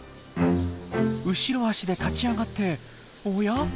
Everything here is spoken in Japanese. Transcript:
後ろ足で立ち上がっておや？